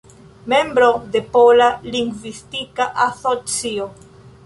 Membro de Pola Lingvistika Asocio.